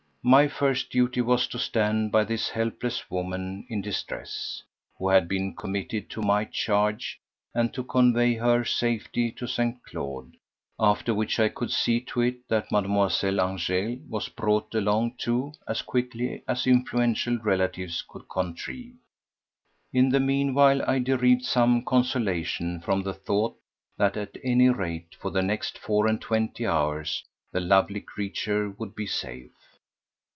My first duty was to stand by this helpless woman in distress, who had been committed to my charge, and to convey her safely to St. Claude. After which I could see to it that Mademoiselle Angèle was brought along too as quickly as influential relatives could contrive. In the meanwhile I derived some consolation from the thought that at any rate for the next four and twenty hours the lovely creature would be safe.